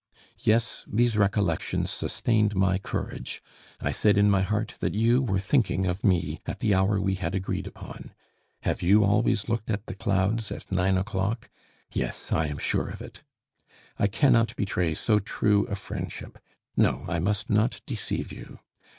Yes, these recollections sustained my courage; I said in my heart that you were thinking of me at the hour we had agreed upon. Have you always looked at the clouds at nine o'clock? Yes, I am sure of it. I cannot betray so true a friendship, no, I must not deceive you.